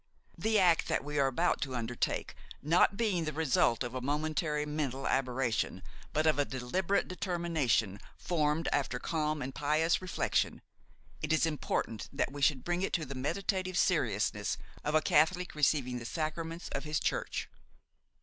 The act that we are about to undertake not being the result of a momentary mental aberration, but of a deliberate determination formed after calm and pious reflection, it is important that we should bring to it the meditative seriousness of a Catholic receiving the sacraments of his Church.